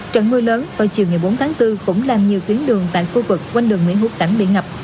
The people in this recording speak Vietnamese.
trận mưa lớn vào chiều ngày bốn tháng bốn cũng làm nhiều tuyến đường tại khu vực quanh đường nguyễn hữu cảnh bị ngập